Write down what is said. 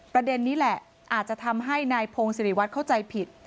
ประเด็นนี้แหละอาจจะทำให้นายพงศิริวัตรเข้าใจผิด